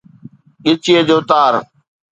ڳچيءَ جو تار